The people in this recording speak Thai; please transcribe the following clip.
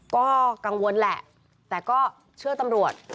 ก็กังวลแหละแต่ก็เชื่อตำรวจ